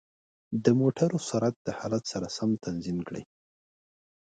د موټرو سرعت د حالت سره سم تنظیم کړئ.